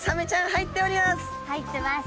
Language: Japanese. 入ってます。